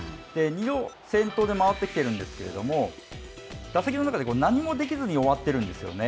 先頭で回ってきているんですけれども、打席の中で何もできずに終わっているんですよね。